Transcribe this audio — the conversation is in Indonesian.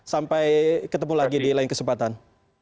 sampai ketemu lagi di lain kesempatan